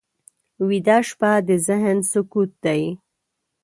ویده شپه د ذهن سکوت دی